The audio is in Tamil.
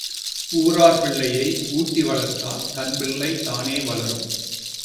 ஊரார் பிள்ளையை ஊட்டி வளர்த்தால் தன் பிள்ளை தானே வளரும்.